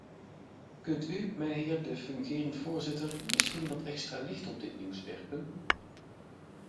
Kunt u, mijnheer de fungerend voorzitter, misschien wat extra licht op dit nieuws werpen?